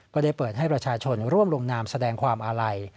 ก็ได้เปิดให้ประชาชนร่วมลงนามแสดงความอาลัย